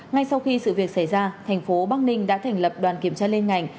ngay sau khi sự việc xảy ra thành phố bắc ninh đã thành lập đoàn kiểm tra liên ngành